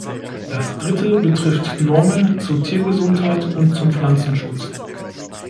Das dritte betrifft Normen zur Tiergesundheit und zum Pflanzenschutz.